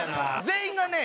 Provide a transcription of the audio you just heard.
全員がね